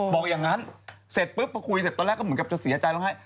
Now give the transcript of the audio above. บอกอย่างนั้นเสร็จปุ๊บพอคุยเสร็จตอนแรกก็เหมือนกับจะเสียใจร้องไห้